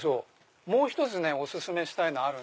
もう１つお薦めしたいのある。